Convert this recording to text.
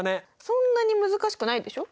そんなに難しくないでしょ。